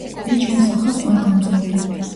მე ჩემს სახელს ყველგან ვწერდი.